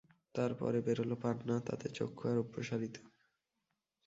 তার পরে বেরোল পান্না, তাতে চক্ষু আরো প্রসারিত।